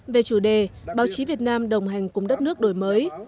về chủ đề báo chí việt nam đồng hành cùng đất nước đổi mới